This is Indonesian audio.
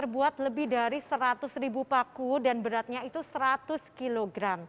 buat lebih dari seratus ribu paku dan beratnya itu seratus kg